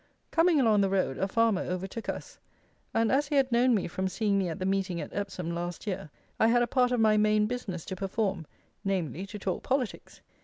Coming along the road, a farmer overtook us, and as he had known me from seeing me at the Meeting at Epsom last year, I had a part of my main business to perform, namely, to talk politics.